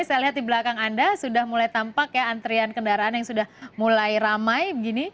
saya lihat di belakang anda sudah mulai tampak ya antrian kendaraan yang sudah mulai ramai